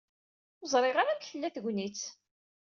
Ur ẓriɣ ara amek tella tegnit.